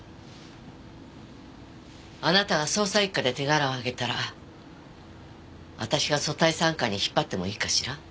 あなたが捜査一課で手柄を上げたら私が組対三課に引っ張ってもいいかしら？